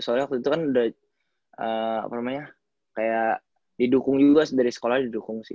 soalnya waktu itu kan udah kayak didukung juga dari sekolah didukung sih